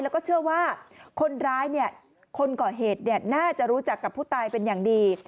แล้วก็เชื่อว่าคนร้ายเนี่ยคนก่อเหตุน่าจะรู้จักกับผู้ตายเป็นอย่างดี